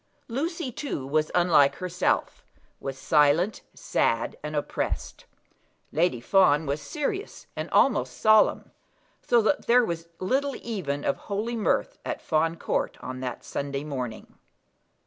Lucy, too, was unlike herself, was silent, sad, and oppressed. Lady Fawn was serious, and almost solemn; so that there was little even of holy mirth at Fawn Court on that Sunday morning.